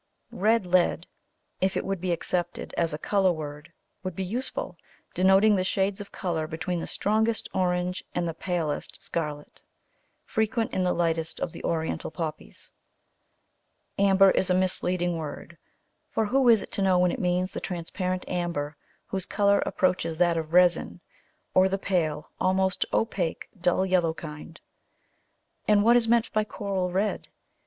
Red lead, if it would be accepted as a colour word, would be useful, denoting the shades of colour between the strongest orange and the palest scarlet, frequent in the lightest of the Oriental Poppies. Amber is a misleading word, for who is to know when it means the transparent amber, whose colour approaches that of resin, or the pale, almost opaque, dull yellow kind. And what is meant by coral red?